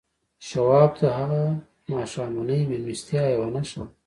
شواب ته هغه ماښامنۍ مېلمستیا یوه نښه وه